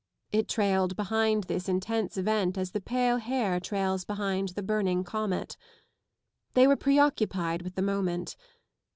It trailed behind this intense event as the pale hair trails behind the burning comet. They were pre occupied with the moment.